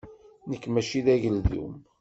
Nekk mačči d ageldun.